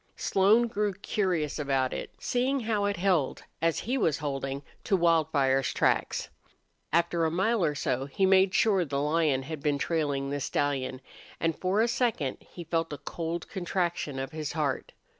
Slone grew curious about it, seeing how it held, as he was holding, to Wildfire's tracks. After a mile or so he made sure the lion had been trailing the stallion, and for a second he felt a cold contraction of his heart.